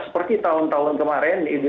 seperti tahun tahun kemarin